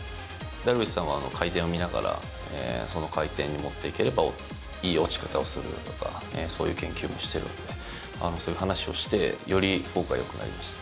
ダルビッシュさんは回転を見ながら、その回転に持っていければいい落ち方をするとか、そういう研究もしているので、そういう話をして、よりフォークはよくなりました。